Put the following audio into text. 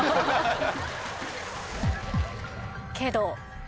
けど。